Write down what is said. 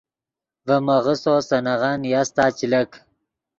ڤے میغسّو سے نغن نیاستا چے لک